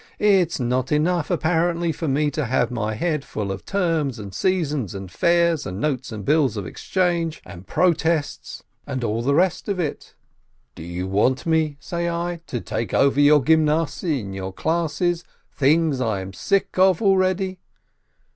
It's not enough, apparently, for me to have my head full of terms and seasons and fairs and notes and bills of exchange and "protests" and all GYMNASIYE 169 the rest of it. "Do you want me," say I, "to take over your Gymnasiye and your classes, things I'm sick of already